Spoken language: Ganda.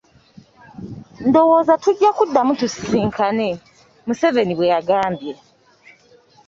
"Ndowooza tujja kuddamu tusisinkane.” Museveni bwe yagambye.